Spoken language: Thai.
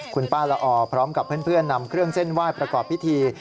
คุณป้าละออพร้อมกับเพื่อนนำเครื่องเส้นไหว้ประกอบพิธี